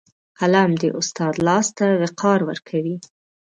قلم د استاد لاس ته وقار ورکوي